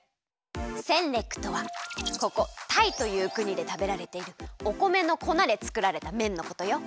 センレックとはここタイというくにでたべられているおこめのこなでつくられためんのことよ。